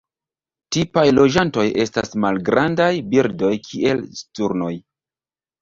Tipaj loĝantoj estas malgrandaj birdoj kiel sturnoj.